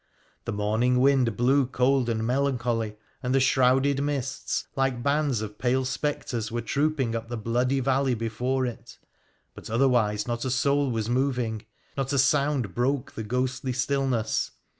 The morning wind blew cold and melan choly, and the shrouded mists, like bands of pale spectres, were trooping up the bloody valley before it, but otherwise not a soul was moving, not a sound broke the ghostly still ness.